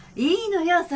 いいのよ。